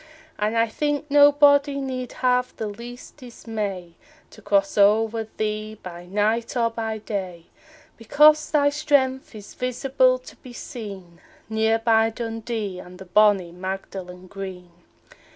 And I think nobody need have the least dismay To cross o'er thee by night or by day, Because thy strength is visible to be seen Near by Dundee and the bonnie Magdalen Green.